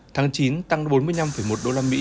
tháng chín tăng bốn mươi năm một usd